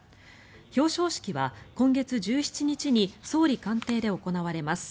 表彰式は今月１７日に総理官邸で行われます。